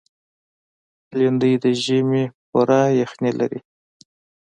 لېندۍ د ژمي پوره یخني لري.